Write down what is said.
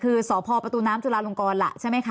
คือสพประตูน้ำจุลาลงกรล่ะใช่ไหมคะ